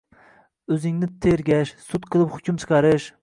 O'zingni tergash, sud qilib hukm chiqarish